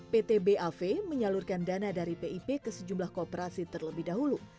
pt bav menyalurkan dana dari pip ke sejumlah kooperasi terlebih dahulu